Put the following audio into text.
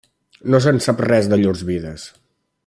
No se'n sap res de llurs vides.